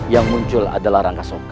yang muncul adalah rangga soka